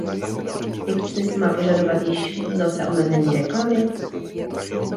Jaký smysl má požadovat již zase omezení reklamy?